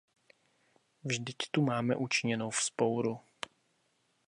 Vždyť tu máme učiněnou vzpouru!